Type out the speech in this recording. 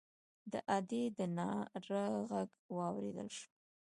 د ادي د ناره غږ واورېدل شو.